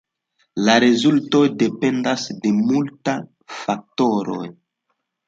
La rezultoj dependas de multa faktoroj.